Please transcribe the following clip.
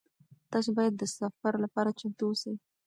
تاسي باید د سفر لپاره چمتو اوسئ.